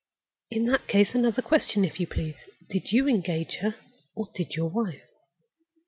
In that case, another question, if you please. Did you engage her, or did your wife?"